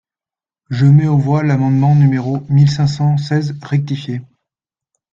Je mets aux voix l’amendement numéro mille cinq cent seize rectifié.